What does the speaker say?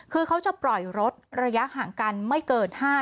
คือเค้าจะปล่อยรถระยะห่างกันไม่เกิน๕๐๐ถึง๑๐๐๐นนะคะ